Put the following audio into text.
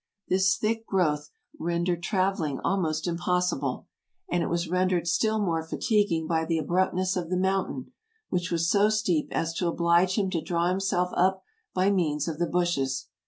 This thick growth rendered traveling almost impossible, and it was ren dered still more fatiguing by the abruptness of the mountain, which was so steep as to oblige him to draw himself up by means of the bushes.